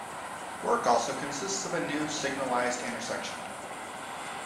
Work also consists of a new signalized intersection.